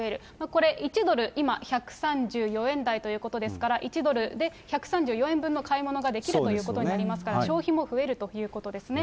これ、１ドル、今、１３４円台ということですから、１ドルで１３４円分の買い物ができるということになりますから、消費も増えるということですね。